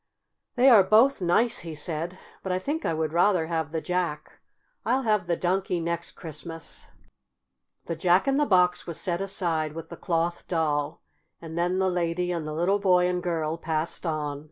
"They are both nice," he said; "but I think I would rather have the Jack. I'll have the Donkey next Christmas." The Jack in the Box was set aside with the Cloth Doll, and then the lady and the little boy and girl passed on.